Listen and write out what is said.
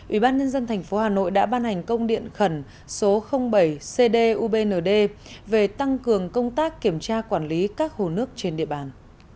ủy ban nhân dân tp hà nội đã ban hành công điện khẩn số bảy cdubnd về tăng cường công tác kiểm tra quản lý các hồ nước trên địa bàn